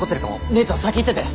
姉ちゃん先行ってて。